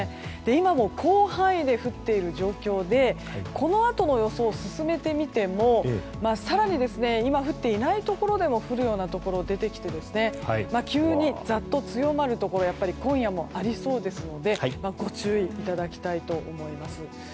今も広範囲で降っている状況でこのあとの予想を進めてみても更に、今降っていないところでも降るようなところが出てきて急にざっと強まるところ今夜もありそうですのでご注意いただきたいと思います。